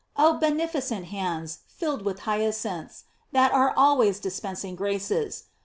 Oh beneficent hands, filled with hyacinths, that are always dispensing graces.